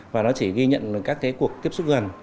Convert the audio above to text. và nó chỉ ghi nhận các cái cuộc tiếp xúc gần